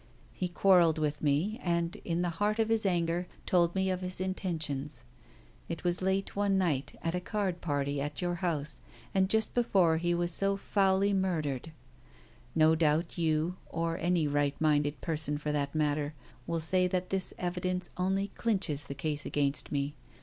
He quarrelled with me, and, in the heat of his anger, told me of his intentions. It was late one night at a card party at your house, and just before he was so foully murdered. No doubt you, or any right minded person for that matter, will say that this evidence only clinches the case against me.